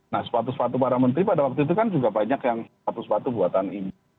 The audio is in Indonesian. nah sepatu sepatu para menteri pada waktu itu kan juga banyak yang sepatu sepatu buatan ini